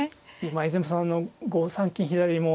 今泉さんの５三金左も。